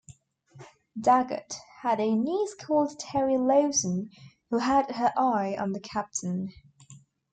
Daggart had a niece called Terrie Lawson, who had her eye on the Captain.